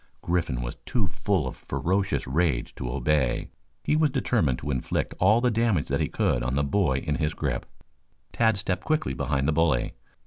Griffin was too full of ferocious rage to obey. He was determined to inflict all the damage that he could, on the boy in his grip. Tad stepped quickly behind the bully.